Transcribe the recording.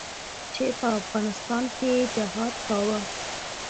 چې په افغانستان کښې يې جهاد کاوه.